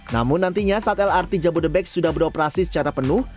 namun nantinya saat lrt jabodebek sudah beroperasi secara penuh